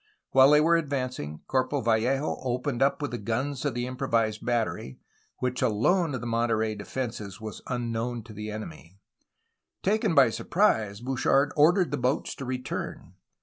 While they were advancing Corporal Vallejo opened up with the guns of the improvised battery, which alone| of the Monterey defences was unknown to the enemy. Taken by surprise, Bouchard ordered the boats to return.